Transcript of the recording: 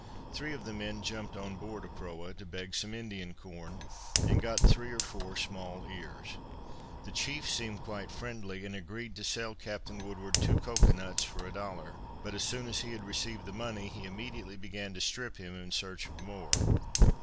Three of the men jumped on board a proa to beg some Indian corn, and got three or four small ears. The chief seemed quite friendly and agreed to sell captain Woodward two cocoa nuts for a dollar, but as soon as he had received the money, he immediately began to strip him in search of more.